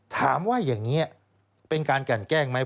ถามว่าอย่างนี้เป็นการกันแกล้งไหม